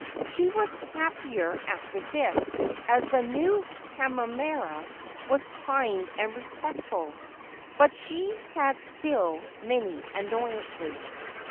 She was hap pier after this, as the new camerara was kind and respect ful; but she had still many annoyances.